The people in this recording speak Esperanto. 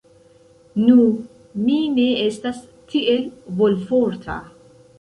Nu, mi ne estas tiel volforta.